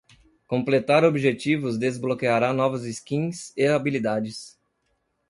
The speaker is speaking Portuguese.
Completar objetivos desbloqueará novas skins e habilidades.